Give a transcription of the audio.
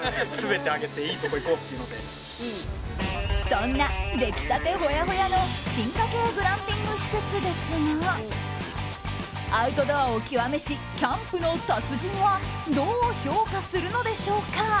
そんな、できたてほやほやの進化形グランピング施設ですがアウトドアを極めしキャンプの達人はどう評価するのでしょうか。